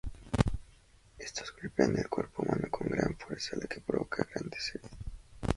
Estos golpean el cuerpo humano con gran fuerza lo que provoca graves heridas.